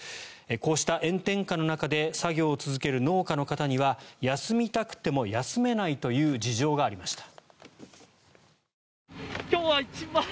こうした炎天下の中で作業を続ける農家の方には休みたくても休めないという事情がありました。